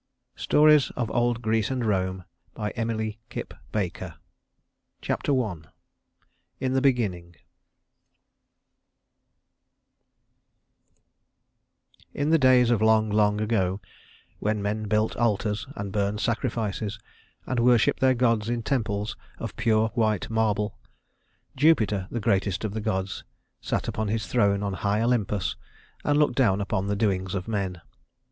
STORIES OF OLD GREECE AND ROME Chapter I In the Beginning In the days of long, long ago when men built altars, and burned sacrifices, and worshiped their gods in temples of pure white marble, Jupiter, the greatest of the gods, sat upon his throne on high Olympus and looked down upon the doings of men.